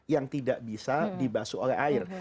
yang tidak bisa dibasu oleh air